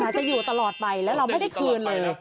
จะอยู่ตลอดไปแล้วเราไม่ได้คืนเลย